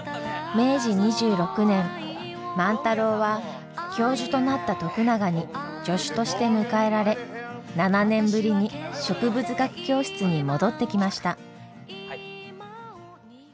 明治２６年万太郎は教授となった徳永に助手として迎えられ７年ぶりに植物学教室に戻ってきました。